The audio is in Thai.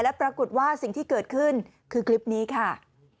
และปรากฏว่าสิ่งที่เกิดขึ้นคือคลิปนี้ค่ะ